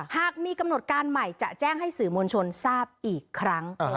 หากมีกำหนดการใหม่จะแจ้งให้สื่อมวลชนทราบอีกครั้ง